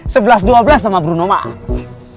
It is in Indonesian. sebelas dua belas sama bruno mangs